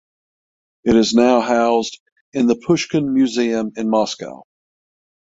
It is now housed in the Pushkin Museum in Moscow.